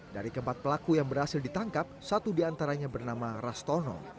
dari keempat pelaku yang berhasil ditangkap satu diantaranya bernama rastono